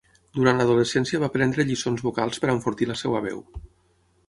Durant l'adolescència va prendre lliçons vocals per enfortir la seva veu.